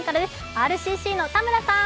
ＲＣＣの田村さん。